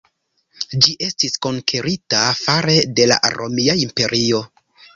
Ĝi estis konkerita fare de la Romia Imperio.